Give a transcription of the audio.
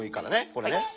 これね。